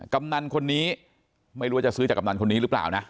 กำนันคนนี้ไม่รู้ว่าจะซื้อจากกำนันคนนี้หรือเปล่านะ